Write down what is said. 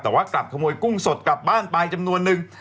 แต่ว่ากลับขโมยกุ้งสดกลับบ้านไปจำนวนนึง